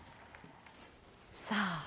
さあ